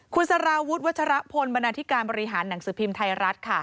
คุณสารวุฒิวัชรพลบรรณาธิการบริหารหนังสือพิมพ์ไทยรัฐค่ะ